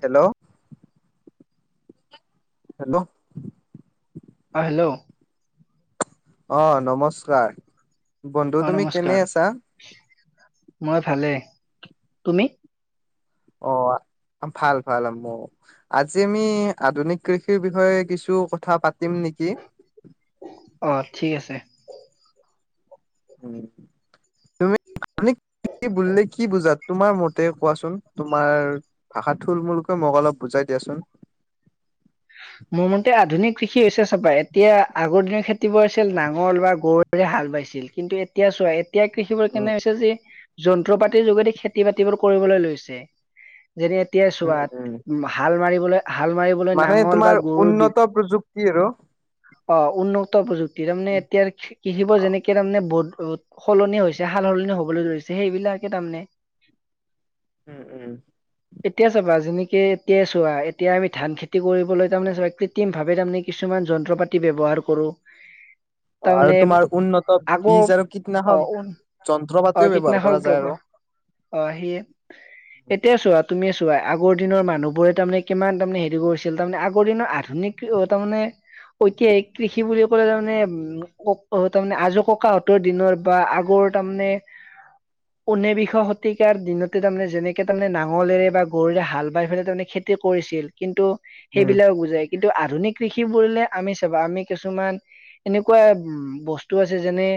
Hello. Hello. অ' hello. অ' নমস্কাৰ। বন্ধু অ' তুমি কেনে নমস্কাৰ। আছা মই ভালে, তুমি? অ' ভাল ভাল মোৰো। আজি আমি আধুনিক কৃষিৰ বিষয়ে কিছু কথা পাতিম নেকি? অ' ঠিক আছে। উম, তুমি আধুনিক কৃষি বুলিলে কি বুজা, তোমাৰ মতে কোৱাচোন? তোমাৰ ভাষাত থুল মূলকৈ মোক অলপ বুজাই দিয়াচোন। মোৰ মতে আধুনিক কৃষি হৈছে চাবা এতিয়া আগৰ দিনৰ খেতিবোৰ আছিল নাঙল বা গৰু ৰে হাল বাইছিল, কিন্তু এতিয়া চোৱা এতিয়া কৃষিবোৰ উম কেনে হৈছে যে যন্ত্ৰ পাতিৰ যোগেদি খেতি বাতিবোৰ কৰিবলৈ লৈছে। যেনে এতিয়াই উম চোৱা উম হাল মাৰিবলে হাল মাৰিব মানে তোমাৰ উন্নত প্ৰযুক্তি আৰু। অ' উন্নক্ত প্ৰযুক্তি তাৰমানে এতিয়া কৃষিব অ যেনেকে তাৰমানে বহুত বহুত সলনি হৈছে। সাল সলনি হবলৈ ধৰিছে সেইবিলাকে তামানে উম -উম। এতিয়া চাবা যেনেকে এতিয়াই চোৱা এতিয়া আমি ধান খেতি খেতি কৰিবলৈ তাৰ মানে কৃত্ৰিম ভাৱে তাৰে কিছুমান যন্ত্ৰ পাতি ব্যৱহাৰ কৰো। অ আৰু তাৰমানে তোমাৰ উন্নত আগৌ বীজ আৰু কীটনাশক অ' উন যন্ত্ৰ অ' পাতিও ব্যৱহাৰ কৰা কীটনাষক যায় আৰু দব্য অ' সেই এতিয়া চোৱা তুমি চোৱা, আগৰ দিনৰ মানুহবোৰে তাৰমানে কিমান তাৰমানে হেৰি কৰিছিল। তাৰমানে আগৰ দিনৰ আধুনিক কি হ'ল তাৰ মানে ঐতিহাসিক কৃষি বুলি ক'লে তাৰমানে উক তাৰমানে আজো ককাহঁতৰ দিনৰ বা আগৰ তাৰমানে [inaudible] ঊনেবিংশ শতিকাৰ দিনতে তাৰমানে যেনেকে তাৰমানে নাঙলেৰে বা গৰুৰে হাল বাই পেলাই তাৰমানে খেতি খেতি কৰিছিল কিন্তু উম সেইবিলাক বুজাই। কিন্তু আধুনিক কৃষি বুললে আমি চাবা আমি কিছুমান এনেকুৱা উম বস্তু আছে যেনে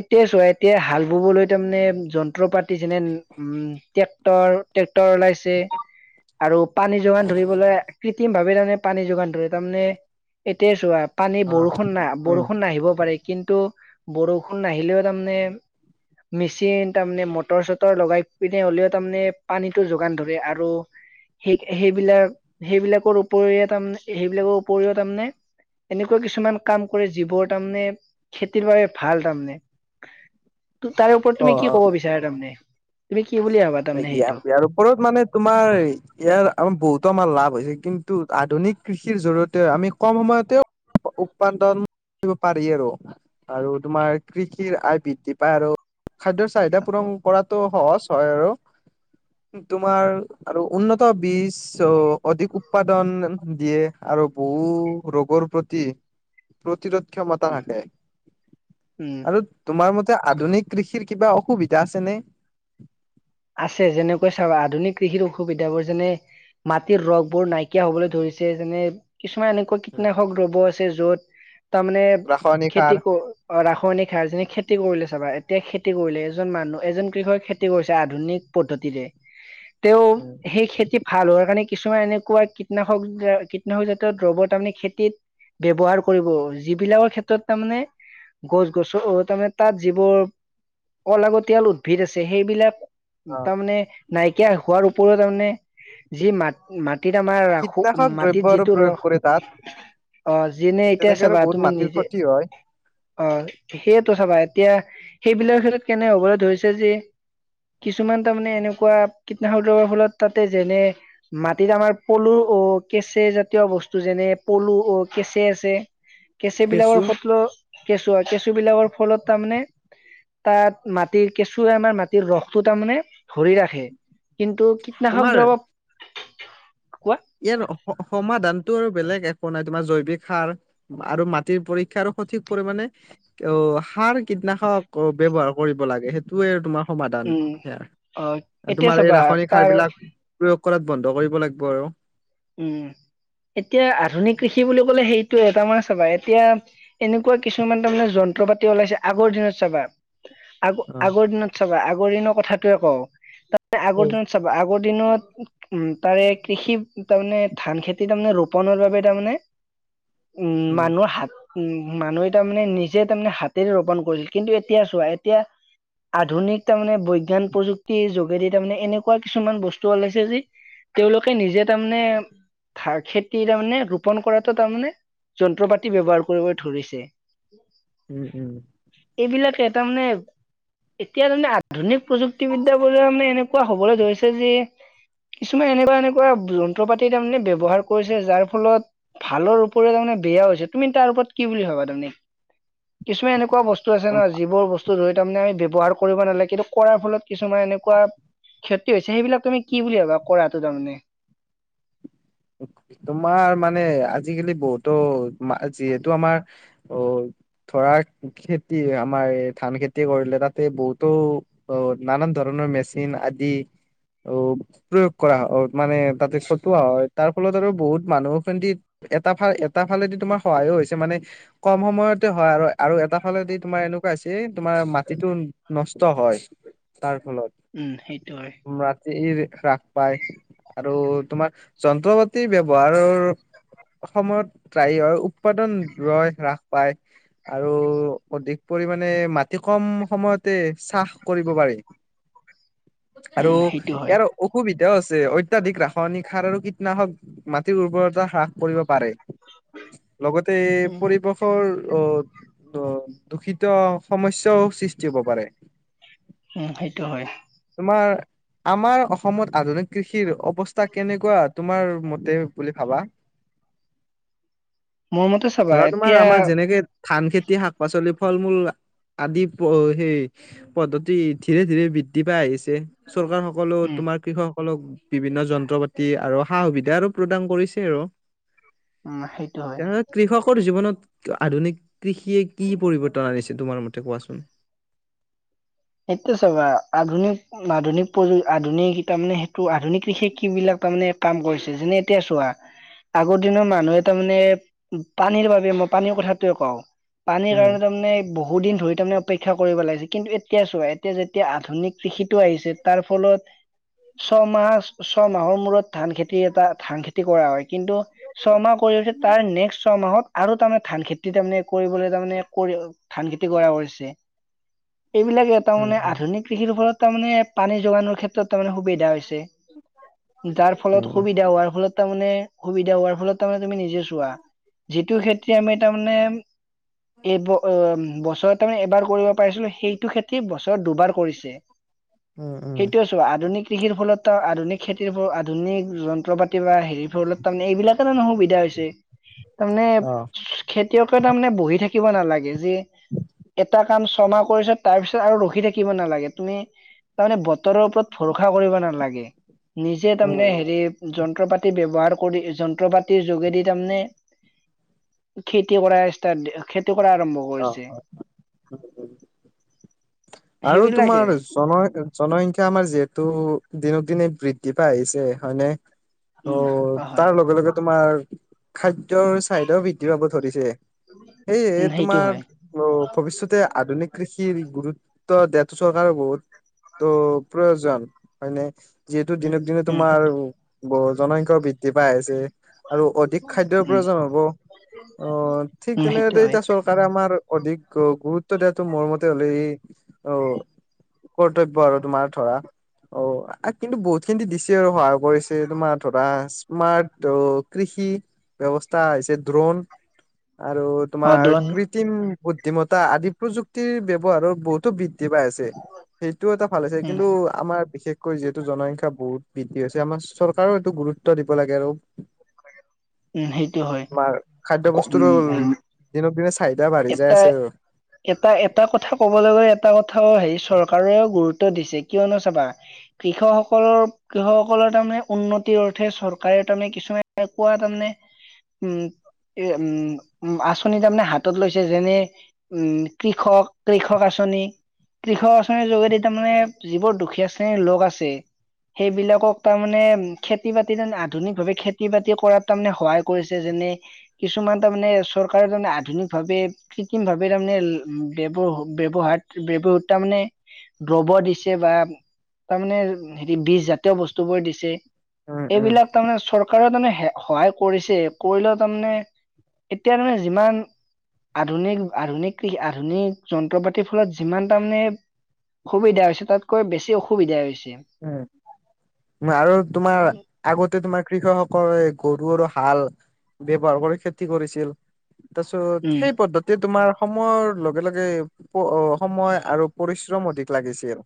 এতিয়াই চোৱা এতিয়া হাল ববলৈ তাৰমানে যন্ত্ৰ পাতি যেনে উম ট্ৰেক্টৰ- ট্ৰেক্টৰ ওলাইছে আৰু পানী যোগান ধৰিবলৈ কৃত্ৰিম ভাবে তাৰমানে পানী যোগান ধৰে। তাৰমানে এতিয়া চোৱা পানী অ বৰষুণ না উম বৰষুণ নাহিব পাৰে কিন্তু বৰষুণ নাহিলেও তাৰমানে মেচিন তাৰমানে মটৰ চটৰ লগাই পিনে হ'লেও তাৰমানে পানীটো যোগান ধৰে আৰু সেই সেইবিলাক সেইবিলাকৰ উপৰি তাৰমানে সেইবিলাকৰ উপৰিও তাৰমানে এনেকুৱা কিছুমান কাম কৰে যিবোৰ তাৰমানে খেতিৰ বাবে ভাল তাৰমানে। [inaudible] তো তাৰে ওপৰত অ তুমি কি অ ক'ব বিচাৰা তাৰমানে, তুমি কি বুলি ভাবা? তাৰমানে ইয়া সেইটো ইয়াৰ ওপৰত মানে তোমাৰ ইয়াৰ আমাৰ বহুতো আমাৰ লাভ হৈছে কিন্তু, আধুনিক কৃষিৰ জৰিয়তে আমি কম সময়তেও উৎপাদন কৰিব পাৰি আৰু আৰু তোমাৰ কৃষিৰ আয় বৃদ্ধি পায় আৰু। খাদ্যৰ চাহিদা পূৰণ কৰাতো সহজ হয় আৰু। তোমাৰ আৰু উন্নত বীজ চ' অধিক উৎপাদন দিয়ে আৰু বহু ৰোগৰ প্ৰতি প্ৰতিৰোধ ক্ষমতা থাকে উম আৰু তোমাৰ মতে আধুনিক কৃষিৰ কিবা অসুবিধা আছে নে? আছে যেনেকৈ চাবা আধুনিক কৃষিৰ অসুবিধা বোৰ যেনে মাটিৰ ৰস বোৰ নাইকিয়া হবলৈ ধৰিছে যেনে কিছুমান এনেকুৱা কীটনাশক দ্ৰব আছে য'ত তাৰমানে ৰাসায়নিক সাৰ খেতি কৰ অহ ৰাসায়নিক সাৰ যেনে খেতি কৰিলে চাবা এতিয়া খেতি কৰিলে এজন মানুহ এজন কৃষক খেতি কৰিছে আধুনিক পদ্ধতিৰে তেওঁ সেই খেতি ভাল হোৱাৰ কাৰণে কিছুমান এনেকুৱা কীটনাশক কীটনাশক জাতীয় দ্ৰবৰ তাৰমানে খেতিত ব্যৱহাৰ কৰিব, যিবিলাকৰ ক্ষেত্ৰত তাৰমানে গছ -গছো তাৰমানে তাত যিবোৰ অলাগতিয়াল উদ্ভিদ আছে সেইবিলাক অ তাৰমানে নাইকিয়া হোৱাৰ উপৰিও তাৰমানে যি মাটি মাটিত আমাৰ ৰাখো কীটনাশক দ্ৰব্য মাটিত আৰু যিটো প্ৰয়োগ ৰস কৰে তাত অহ যেনে এতিয়া তেনেকে আৰু চাবা বহুত তুমি মাটিৰ নিজে ক্ষতি হয়। অ সেইটোৱে চাবা এতিয়া সেইবিলাকৰ ক্ষেত্ৰত কেনে হ'বলৈ ধৰিছে যে কিছুমান তাৰমানে এনেকুৱা কীটনাশক দৰবৰ ফলত তাতে যেনে মাটিত আমাৰ পলু অ কেঁচে জাতীয় বস্তু যেনে পলু অ কেচে আছে [inaudible] কেঁচে বিলাকৰ কেঁচু ফটলৌ কেঁচুৱা কেঁচু বিলাকৰ ফলত তাৰমানে তাত মাটিৰ কেঁচুৱে আমাৰ মাটি ৰসটো তাৰমানে ধৰি ৰাখে কিন্তু তোমাৰ কীটনাশক দৰৱ ইয়াৰ স সমাধানটো আৰু বেলেগ একো নাই তোমাৰ জৈৱিক সাৰ আৰু মাটিৰ পৰীক্ষা সঠিক পৰিমাণে অ সাৰ কীটনাশক ব্যৱহাৰ কৰিব লাগে সেইট এইটোৱেই আৰু তোমাৰ সমাধান উম অ সেয়া এতিয়া তোমাৰ এই চাবা ৰাসায়নিক সাৰ তাৰ বিলাক প্ৰয়োগ কৰাত বন্ধ কৰিব লাগব আৰু উম এতিয়া আধুনিক কৃষি বুলি কলে সেইটোয়ে তাৰ মানে চাবা এতিয়া এনেকুৱা কিছুমান তাৰমানে যন্ত্ৰ পাতি ওলাইছে আগৰ দিনত চাবা আগ অ আগৰ দিনত চাবা আগৰ দিনৰ কথাটোৱেয়ে কওঁ তাৰ মানে আগৰ দিনত চাবা আগৰ দিনত উম তাৰে কৃষি তাৰ মানে ধান খেতি তাৰমানে ৰোপনৰ বাবে তাৰমানে উম মানুহৰ হাত উম মানুহে তাৰ মানে নিজে তাৰমানে হাতেৰে ৰোপন কৰিছিল কিন্তু এতিয়া চোৱা এতিয়া আধুনিক তাৰমানে বৈজ্ঞান প্ৰযুক্তিৰ যোগেদি তাৰমানে এনেকুৱা কিছুমান বস্তু ওলাইছে যি তেওঁলোকে নিজে তাৰমানে ঠাৰ খেতিৰ তাৰমানে ৰোপন কৰাটো তাৰমানে যন্ত্ৰ পাতি ব্যৱহাৰ কৰিব ধৰিছে উম উম এইবিলাক এটা মানে এতিয়া তাৰমানে আধুনিক প্ৰযুক্তিবিদ্যা বোলে মানে এনেকুৱা হবলৈ ধৰিছে যে কিছুমান এনেকুৱা এনেকুৱা যন্ত্ৰ পাতি তাৰমানে ব্যৱহাৰ কৰিছে যাৰ ফলত ভালৰ ওপৰি তাৰমানে বেয়াও হৈছে তুমি তাৰ ওপৰত কি বুলি ভাবা তাৰমানে কিছুমান এনেকুৱা বস্ বস্তু আছে উম ন যিবোৰ বস্তু ধৰি তাৰমানে আমি ব্যৱহাৰ কৰিব নালাগে কিন্তু কৰাৰ ফলত কিছুমান এনেকুৱা ক্ষতি হৈছে সেইবিলাক তুমি কি বুলি ভাবা কৰাটো তাৰমানে তোমাৰ মানে আজিকালি বহুতো যিহেতু আমাৰ অহ ধৰা খেতি আমাৰ এই ধান খেতি কৰিলে তাতে বহুতো অহ নানান ধৰণৰ মেচিন আদি অহ প্ৰয়োগ কৰা হয় মানে তাতে চতুৱা হয় তাৰ ফলত আৰু বহুত মানুহ খেতিত এটা ফাল এটা ফালেদি তোমাৰ সহায়ো হৈছে মানে কম সময়তে হয় আৰু আৰু এটা ফালেদি তোমাৰ এনেকুৱা হৈছে তোমাৰ মাটিটো নষ্ট হয়। তাৰ ফলত উম সেইটো‌‌ হয় মাটিৰ হ্ৰাস পাই আৰু তোমাৰ যন্ত্ৰ পাতি ব্যৱহাৰৰ সময়ত ত্ৰায় হয় উৎপাদন ৰয় হ্ৰাস পায় আৰু অধিক পৰিমানে মাটি কম সময়তে চাহ কৰিব পাৰি। আৰু উম সেইটো হয় ইয়াৰ অসুবিধাও আছে অত্যাধিক ৰাসয়নিক সাৰৰ কীটনাশক মাটিৰ উৰ্বৰতা হ্ৰাস কৰিব পাৰে লগতে এই উম পৰিৱশ শৰ অ ৰ দূষিত সমস্যাও সৃষ্টি হ'ব পাৰে হম সেইটো হয় তোমাৰ আমাৰ অসমত আধুনিক কৃষিৰ অৱস্থা কেনেকুৱা। তোমাৰ মতে বুলি ভাবা। মোৰ মতে চাবা ধৰা তোমাৰ এতিয়া আমাৰ যেনেকে। ধান খেতি, শাক -পাচলি, ফল- মূল আদি প সেই। পদ্ধতি ধীৰে ধীৰে বৃদ্ধি পাই আহিছে চৰকাৰসক। সকলো উম তোমাৰ কৃষকসকলক বিভিন্ন যন্ত্ৰ পাতি আৰু সা সুবিধা আৰু প্ৰদান কৰিছে আৰু। উম সেইটো হয়। তেনেহলে কৃষকৰ জীৱনত আধুনিক কৃষিয়ে কি পৰিৱৰ্তন আনিছে তোমাৰ মতে কোৱাচোন? সেইটোয়ে চাবা আধুনিক আধুনিক প্ৰতিযো আধুনিক খিতা মানে সেই। টো আধুনিক কৃষি কি বিলাকে তাৰমানে কাম কৰিছে যেনে এতিয়া চোৱা। আগৰ দিনৰ মানুহে তাৰ মানে পানীৰ বাবে মই পানীৰ কথাটোৱে কওঁ। পানীৰ উম, কাৰণে তাৰমানে বহু দিন ধৰি তাৰমানে অপেক্ষা কৰিব লাগিছে কিন্তু এত। এতিয়া চোৱা এতিয়া যেতিয়া আধুনিক কৃষিটো আহিছে তাৰ ফলত। ছয়মাহৰ ছয়মাহৰ মূৰত ধান খেতি এটা ধান খেতি কৰা হয় কিন্তু। ছয়মাহ কৰি উঠি তাৰ নেক্স ছয়মাহত আৰু তাৰমানে ধান খেতি তাৰমানে কৰিবলৈ তাৰমানে কৰি। ধান খেতি কৰা হৈছে। এইবিলাকে এটা উম, মানে উম, আধুনিক কৃষিৰ ফলত তাৰমানে ইয়াত পানী যোগানৰ ক্ষেত্ৰত। ক্ষেত্ৰত তাৰমানে সুবিধা হৈছে। যাৰ ফলত উম, সুবিধা হোৱাৰ ফলত। তাৰ মানে সুবিধা হোৱাৰ ফলত তাৰমানে তুমি নিজে চোৱা যিটো খেতি আমি তাৰমানে। এইবোৰ অ বছৰত তাৰমানে এবাৰ কৰিব পাৰিছিলো সেই। খেতি বছৰত দুবাৰ কৰিছে উম, উম, সেইটো। চোৱা আধুনিক কৃষিৰ ফলত তাৰ আধুনিক খেতিৰ ফলত আধুনিক যন্ত্ৰ পাতি বা হেৰিৰ ফলত তাৰমানে এইবিলাকে কাৰণে নহবৈ। দিকদাৰ হৈছে তাৰমানে। অ', খেতিয়কে তাৰমানে বহি থাকিব নালাগে যে এটা কাম ছমাহ কৰিছে। তাৰপিছত আৰু ৰখি থাকিব নালাগে তুমি তাৰমানে বতৰৰ ওপৰত ভৰষা কৰিব নালাগে। নিজে উম, তাৰমানে উম, হেৰি যন্ত্ৰ পাতি ব্যৱহাৰ কৰি যন্ত্ৰ পাতিৰ যোগেদি তাৰমানে। খেতি কৰা ষ্টাৰ্ট খেতি কৰা আৰম্ভ অ'। কৰিছে। আৰু সেইবিলাকে তোমাৰ চনয়। জনসংখ্যা আমাৰ যিহেতু দিনক দিনে বৃদ্ধি পাই আহিছে হয়নে? উম আৰু অ হয় তাৰ লগে লগে তোমাৰ খাদ্যৰ চাহিদাও বৃদ্ধি। বৃদ্ধি পাব ধৰিছে সেয়েহে উম সেইটো তোমাৰ। হয় অ ভৱিষ্যতে আধুনিক কৃষিৰ গুৰুত্ব। ত দিয়াটো চৰকাৰৰ বহুত ত' প্ৰয়োজন হয়নে? যিহেতু দিনক দিনে উম তোমাৰ সেইটো ব জনসংখ্যাও বৃদ্ধি পাই আহিছে। আৰু অধিক খাদ্যৰ উম প্ৰয়োজন হ'ব অ ঠিক উম সেইটো তেনেতে হয় এতিয়া চৰকাৰ। তাৰে আমাৰ অধিক গুৰুত্ব দিয়াটো মোৰ মতে হ'লে ই অ কৰ্তব্য আৰু তোমাৰ ধৰা অ', কিন্তু বহুত খিনি দিছে আৰু সহায় কৰিছে তোমাৰ ধৰা স্মাৰ্ট অ কৃষি ব্যৱস্থা হৈছে ড্ৰণ আৰু অ তোমাৰ দোৰণ কৃত্ৰিম বুদ্ধিমত্তা আদি প্ৰযুক্তিৰ ব ব্যৱহাৰৰ বহুতো বি বৃদ্ধি পাই আছে সেইটোও এটা ভাল আছে। উম কিন্তু আমাৰ বিশেষকৈ যিহেতু বহুত বৃদ্ধি হৈছে আমাৰ চৰকাৰও এইটো গুৰুত্ব দিব লাগে আৰু উম সেইটো হয় মাৰ খাদ্যৰ উম বস্তুটো উম দিনক দিনে চাহিদা বাঢ়ি যায় এটা আছে আৰু এটা এটা কথা কবলৈ গলে এটা কথাও হেৰি চৰকাৰেও গুৰুত্ব দিছে কিয়নো চাবা কৃষক সকলৰ কৃষকসকলৰ তাৰমানে উন্নতিৰ অৰ্থে চৰকাৰে তাৰমানে কিছুমান এনেকুৱা তাৰমানে উম, এ উম, উম আচনি যাম নে হাত লৈছে যেনে- উম কৃষক, কৃষক আঁচনি কৃষক আঁচনিৰ যোগেদি তাৰমানানে, যিবোৰ দুখীয়া শ্ৰেণীৰ লগ আছে। সেইবিলাকক তাৰমানে খেতি -বাতি তাৰে আধুনিকভাৱে খেতি-বাতি কৰাত তাৰ মানে সহায় কৈছে, যেনে -কিছুমান তাৰ মানে চৰকাৰৰ জনে আধুনিক ভাৱে, কতিম ভাৱে তাৰমানে ব্যৱ -ব্যৱহাৰ -ব্যৱহাৰ তাৰ মানে দ্ৰবৰ দিছে বা, তাৰমানে হে বীজ জাতীয় বস্তু বোৰ দিছে। উম এইবিলাক তাৰমানে চৰকাৰে তাৰমানে সহায় কৰিছে কৰিলে তাৰমানে, এতিয়া তাৰমানে যিমান আধুনিক-আধুনিক কৃষি আধুনিক যন্ত্ৰ পাতিৰ ফলত যিমান তাৰমানে সুবিধা হৈছে, তাতকৈ বেছি অসুবিধা হৈছে। উম, আৰু তোমাৰ উম আগতে তোমাৰ কৃষকসকলে গৰু আৰু হাল, ব্যৱহাৰ কৰি খেতি কৰিছিল। তাৰপিছত সেই উম পদ্ধতি এতিয়া তোমাৰ সময়ৰ লগে- লগে সময় আৰু পৰিশ্ৰম অধিক লাগিছিল।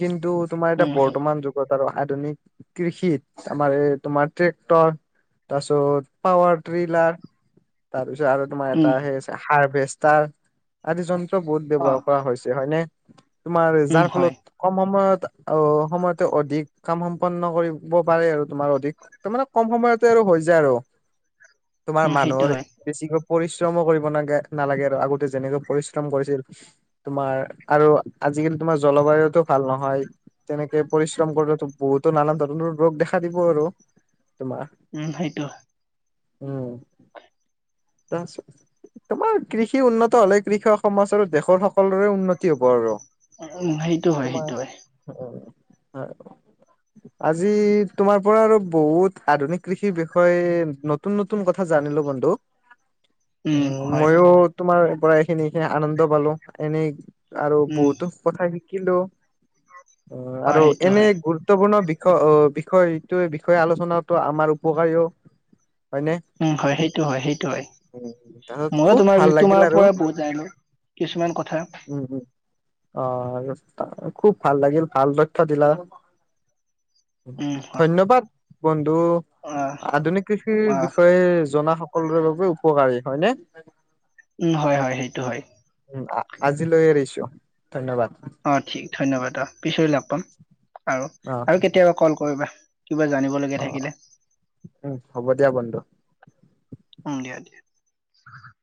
কিন্তু তোমাৰ এতিয়া উম বৰ্তমান যুগ ত, আৰু আধুনিক, কৃষিত আমাৰ এই তোমাৰ ট্ৰেক্টৰ তাৰপিছত পাৱাৰ ট্ৰিলাৰ, তাৰপিছত আৰু তোমাৰ উম এটা সেই আ হাৰভেষ্টাৰ আদি যন্ত্ৰ বহুত অ ব্যৱহাৰ কৰা হৈছে হয়নে! তোমাৰ উম যাৰ হয় ফলত কম সময়ত আৰু সময়তে অধিক কাম সম্পন্ন কৰিব পাৰে আৰু তোমাৰ অধিক তাৰ মানে কম সময়তে আৰু হৈ যায় আৰু, তোমাৰ উম সেইটো মানুহৰ হয় বেছিকৈ পৰিশ্ৰমো কৰিব নাগে, নালাগে আৰু আগতে যেনেকৈ পৰিশ্ৰম কৰিছিল। তোমাৰ আৰু আজি-কালি তোমাৰ জলবায়ুতটো ভাল নহয়। তেনেকে পৰিশ্ৰম কৰিলে বহুতো নানান ধৰণৰ ৰোগ দেখা দিব আৰু, তোমাৰ। উম সেইটো। উম। তাৰপিছত তোমাৰ কৃষি উন্নত হলে কৃষক সমাজ আৰু দেশৰ সকলোৰে উন্নতি হ'ব আৰু। উম -উম সেইটো হয় সেইটো। অ', হয়। আজি তোমাৰ পৰা আৰু বহুত আধুনিক কৃষিৰ বিষয়ে নতুন-নতুন কথা জানিলো বন্ধু। [unintelligible] উম', হয়। ময়ো তোমাৰ পৰা এইখিনি আনন্দ পালোঁ, এনেই আৰু উম বহুতো কথা শিকিলো। অ', আৰু সেইটো এনে হয় গুৰুত্বপূৰ্ণ বিষয় আহ', বিষয় এইটো বিষয়ে আলোচনাটো আমাৰ উপকাৰীও উম হয়। সেইটো হয় সেইটো হয়। উম', ময়ো তোমাৰ বি তোমাৰ পৰা বুজাইলো, কিছুমান কথা। উম উম অ', খুব ভাল লাগিল ভাল ৰক্ষা দিলা। উম হয় ধন্যবাদ, বন্ধু, অ আধুনিক কৃষিৰ অ বিষয়ে জনা সকলোৰে লগ উপকাৰী হয়নে। উম, হয় হয় সেইটো হয়। উম, আজিলৈ এৰিছো ধন্যবাদ। অ', ঠিক ধন্যবাদ অ' পিছলৈ লগ পাম আৰু অ আৰু কেতিয়াবা কল কৰিবা। কিবা জানিব লগীয়া অ থাকিলে। উম, হ'ব দিয়া বন্ধু। উম, দিয়া দিয়া।